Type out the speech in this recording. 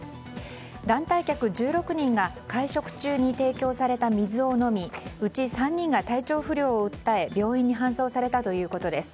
団体客１６人が会食中に提供された水を飲みうち３人が体調不良を訴え病院に搬送されたということです。